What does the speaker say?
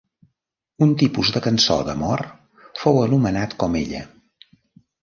Un tipus de cançó d'amor fou anomenat com ella.